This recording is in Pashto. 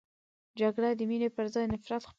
جګړه د مینې پر ځای نفرت خپروي